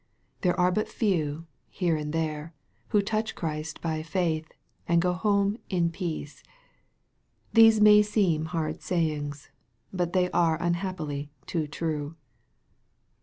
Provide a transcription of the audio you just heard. There are but few here and there who touch Christ by faith, and go home " in peace." These may seem hard sayings. But they are unhappily too true